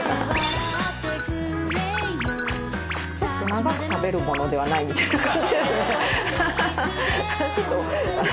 長く食べるものではないみたいな感じですね。